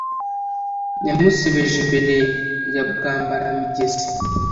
yamusebeje Imbere ya Bwambaramigezi